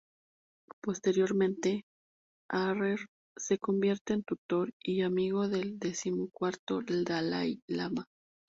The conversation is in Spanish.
Posteriormente, Harrer se convierte en tutor y amigo del decimocuarto Dalái Lama.